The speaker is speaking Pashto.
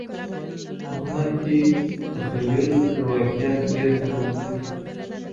په هنر کي تخیل تر واقعیت ډېر کارول کیږي.